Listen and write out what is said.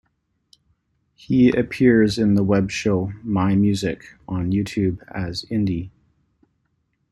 He appears in the webshow "MyMusic" on YouTube as Indie.